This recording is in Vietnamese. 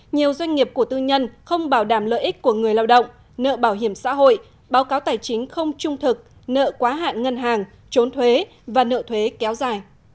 nhiều doanh nghiệp của tư nhân không bảo đảm lợi ích của người lao động nợ bảo hiểm xã hội báo cáo tài chính không trung thực nợ quá hạn ngân hàng trốn thuế và nợ thuế kéo dài